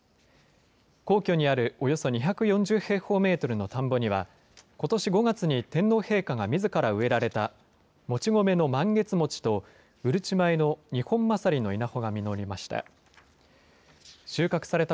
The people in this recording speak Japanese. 皇居にあるおよそ２４０平方メートルの田んぼには、ことし５月に天皇陛下がみずから植えられたもち米のマンゲツモチと、うるち米のニホンマサリの稲穂が実りました。